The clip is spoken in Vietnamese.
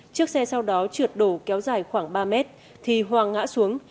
chiếc xe sau đó trượt đổ kéo dài khoảng ba mét thì hoàng ngã xuống